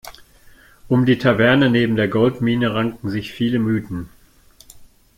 Um die Taverne neben der Goldmine ranken sich viele Mythen.